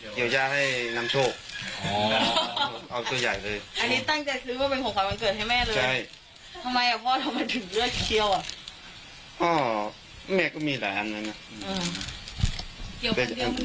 เกี่ยววันเดือดมันเหนื่อยใช่ไหมพ่อ